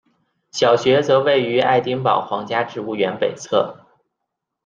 小学则位于爱丁堡皇家植物园北侧。